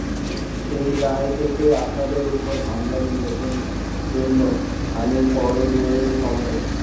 সেই দায় থেকেই আপনাদের ওপর হামলা-নির্যাতনের জন্য আমি করজোড়ে ক্ষমা চাচ্ছি।